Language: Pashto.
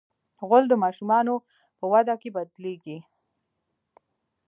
غول د ماشومانو په وده کې بدلېږي.